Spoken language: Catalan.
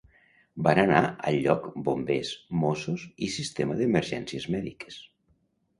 Van anar al lloc Bombers, Mossos i Sistema d'Emergències Mèdiques.